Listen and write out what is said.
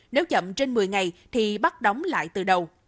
nếu chậm trên một mươi ngày thì bắt đóng lại từ đầu